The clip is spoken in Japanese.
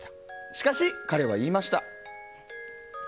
しかし、彼は言いました。